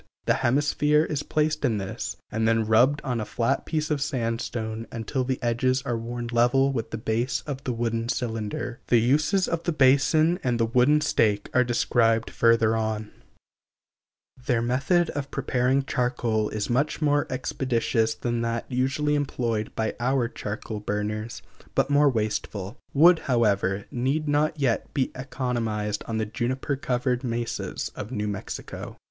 The hemisphere is placed in this, and then rubbed on a flat piece of sandstone until the edges are worn level with the base of the wooden cylinder. The uses of the basin and the wooden stake are described further on. Their method of preparing charcoal is much more expeditious than that usually employed by our charcoal burners, but more wasteful; wood, however, need not yet be economized on the juniper covered mesas of New Mexico.